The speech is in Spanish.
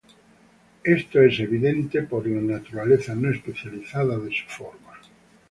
Esto es evidente por la naturaleza no especializada de su forma.